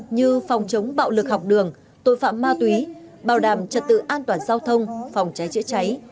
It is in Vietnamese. như phòng chống bạo lực học đường tội phạm ma túy bảo đảm trật tự an toàn giao thông phòng cháy chữa cháy